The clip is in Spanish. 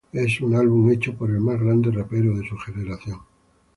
Es un álbum hecho por el más grande rapero de su generación.